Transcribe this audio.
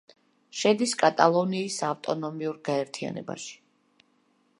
შედის კატალონიის ავტონომიურ გაერთიანებაში.